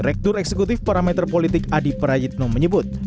direktur eksekutif parameter politik adi prayitno menyebut